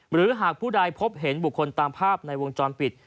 หรือหากผู้ใดพบเห็นบุคคลตามภาพในวงจรปิด